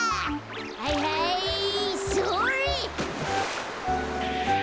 はいはいそれっ。